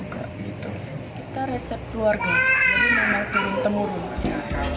kita resep keluarga jadi memang turun temurun